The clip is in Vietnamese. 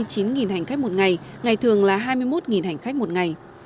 hành khách một ngày ngày thường là hai mươi một hành khách một ngày